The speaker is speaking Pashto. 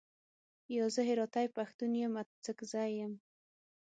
یا، زه هراتۍ پښتون یم، اڅګزی یم.